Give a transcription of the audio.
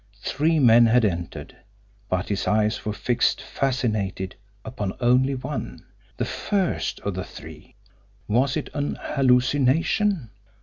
Three men had entered, but his eyes were fixed, fascinated, upon only one the first of the three. Was it an hallucination?